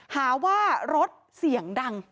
หาว่ารถเสียงดัง